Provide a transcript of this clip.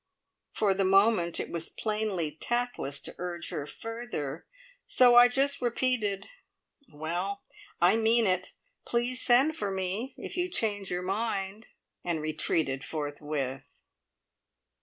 For the moment it was plainly tactless to urge her further, so I just repeated: "Well, I mean it! Please send for me if you change your mind," and retreated forthwith.